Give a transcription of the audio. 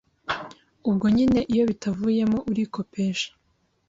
Ubwo nyine iyo bitavuyemo urikopesha